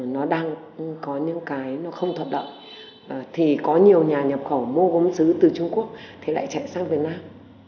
nó đang có những cái nó không thuật lợi thì có nhiều nhà nhập khẩu mua gống dứ từ trung quốc thì lại chạy sang việt nam